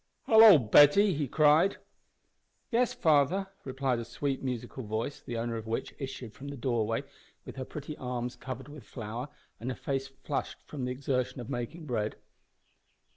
"Hallo, Betty!" he cried. "Yes, father," replied a sweet musical voice, the owner of which issued from the doorway with her pretty arms covered with flour and her face flushed from the exertion of making bread.